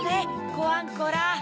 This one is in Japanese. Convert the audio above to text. コアンコラ！